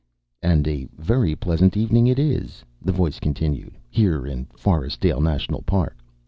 "And a very pleasant evening it is," the voice continued, "here in Forestdale National Park.